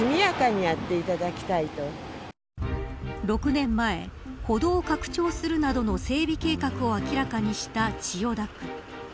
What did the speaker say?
６年前、歩道拡張するなどの整備計画を明らかにした千代田区。